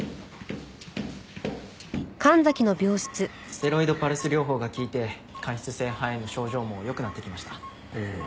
ステロイドパルス療法が効いて間質性肺炎の症状も良くなってきました。